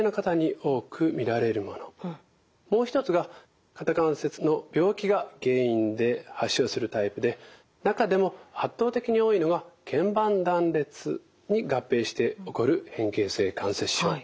もう一つが肩関節の病気が原因で発症するタイプで中でも圧倒的に多いのがけん板断裂に合併して起こる変形性関節症。